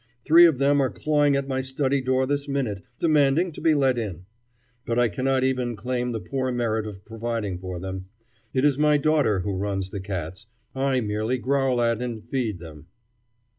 Three of them are clawing at my study door this minute demanding to be let in. But I cannot even claim the poor merit of providing for them. It is my daughter who runs the cats; I merely growl at and feed them.